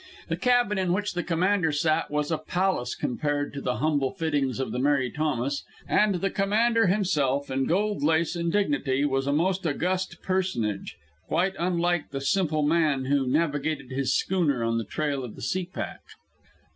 The cabin in which the commander sat was like a palace compared to the humble fittings of the Mary Thomas, and the commander himself, in gold lace and dignity, was a most august personage, quite unlike the simple man who navigated his schooner on the trail of the seal pack.